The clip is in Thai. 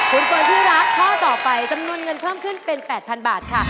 คุณเฟิร์นที่รักข้อต่อไปจำนวนเงินเพิ่มขึ้นเป็น๘๐๐๐บาทค่ะ